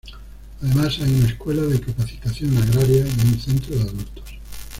Además, hay una escuela de capacitación agraria y un centro de adultos.